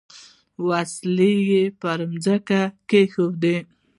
وسلې پر مځکه کښېږدي.